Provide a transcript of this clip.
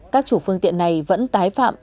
các chủ phương tiện này vẫn tái phạm